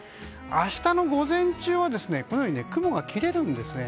明日の午前中は雲が切れるんですね。